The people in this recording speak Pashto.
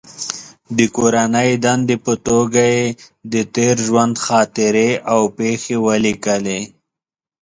د کورنۍ دندې په توګه یې د تېر ژوند خاطرې او پېښې ولیکلې.